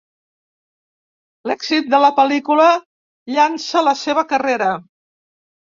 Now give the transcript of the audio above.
L'èxit de la pel·lícula llança la seva carrera.